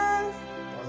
どうぞ。